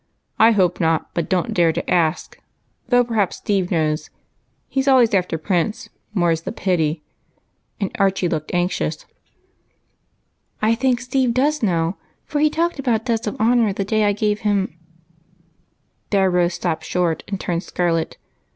I hope not, but don't dare to ask; though, perhaps, Steve knows, he 's always after Prince, more's the pity," and Archie looked anxious. " I think Steve does know, for he talked about debts of honor the day I gave him —" There Rose stoi^ped short and turned scarlet.